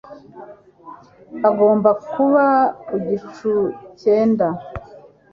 Agomba kuba ku gicu cyenda